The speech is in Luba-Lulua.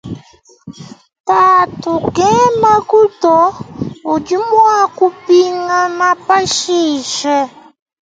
Tatu kenaku to udi muakupingana pashishe.